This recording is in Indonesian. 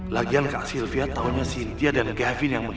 lagian kak silvia taunya tia dan gavine yang mencari